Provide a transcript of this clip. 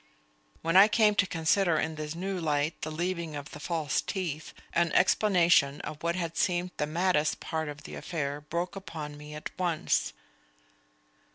When I came to consider in this new light the leaving of the false teeth, an explanation of what had seemed the maddest part of the affair broke upon me at once.